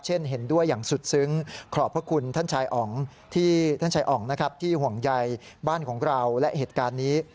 เห็นด้วยอย่างสุดซึ้งขอบพระคุณท่านชายอ๋องที่ท่านชายอ๋องนะครับที่ห่วงใยบ้านของเราและเหตุการณ์นี้